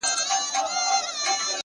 • خدا زده چا کاروان سالار دی تېر ایستلی ,